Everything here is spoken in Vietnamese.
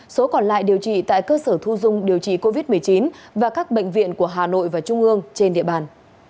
số còn lại điều trị tại cơ sở thu dung điều trị covid một mươi chín và các bệnh viện của hà nội và trung ương trên địa bàn